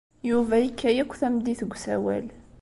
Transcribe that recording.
Yuba yekka akk tameddit deg usawal.